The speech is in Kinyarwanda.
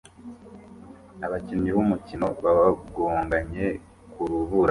Abakinnyi b'umukino bagonganye ku rubura